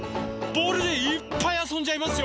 ボールでいっぱいあそんじゃいますよ！